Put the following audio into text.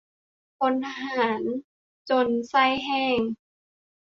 พลทหาร จน ใส้แห้ง